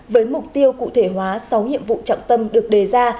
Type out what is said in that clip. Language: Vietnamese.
với mục tiêu cụ thể hóa sáu nhiệm vụ trọng tâm được đề ra